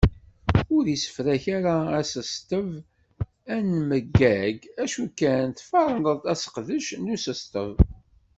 Ur issefrak ara asesteb anmeggag acu kan tferneḍ aseqdec n usesteb.